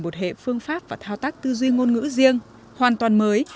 một hệ phương pháp và thao tác tư duy ngôn ngữ riêng hoàn toàn mới